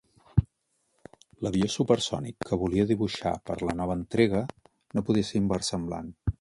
L'avió supersònic que volia dibuixar per a la nova entrega no podia ser inversemblant.